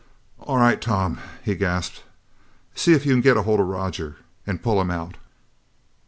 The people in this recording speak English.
"All right Tom " he gasped, "see if you can get a hold on Roger and pull him out!"